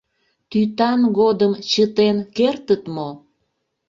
Тӱтан годым чытен кертыт мо?